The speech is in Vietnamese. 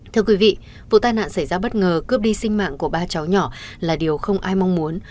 thưa quý vị vụ tai nạn xảy ra bất ngờ cướp đi sinh mạng của ba cháu nhỏ là điều không ai mong muốn